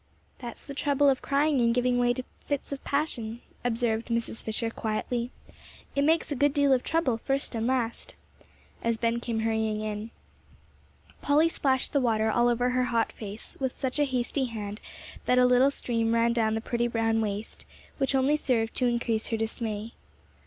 "That's the trouble of crying and giving way to fits of passion," observed Mrs. Fisher, quietly; "it makes a good deal of trouble, first and last," as Ben came hurrying in. Polly splashed the water all over her hot face with such a hasty hand that a little stream ran down the pretty brown waist, which only served to increase her dismay.